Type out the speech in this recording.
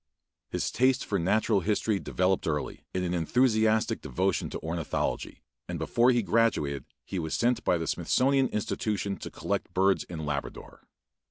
His taste for natural history developed early in an enthusiastic devotion to ornithology, and before he graduated he was sent by the Smithsonian Institution to collect birds in Labrador.